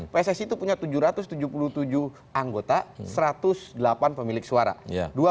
pssi itu punya tujuh ratus tujuh puluh tujuh anggota satu ratus delapan pemilik suara